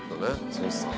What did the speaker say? そうですね。